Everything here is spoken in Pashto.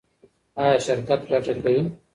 ایا شرکت ګټه کوي؟